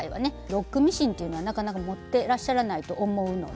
ロックミシンっていうのはなかなか持ってらっしゃらないと思うので。